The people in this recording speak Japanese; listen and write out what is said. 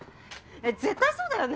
絶対そうだよね！